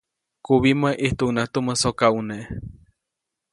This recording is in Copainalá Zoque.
Kubimä, ʼijtuʼunŋaʼajk tumä sokaʼune.